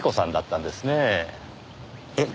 えっ？